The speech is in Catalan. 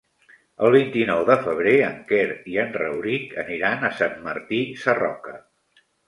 El vint-i-nou de febrer en Quer i en Rauric aniran a Sant Martí Sarroca.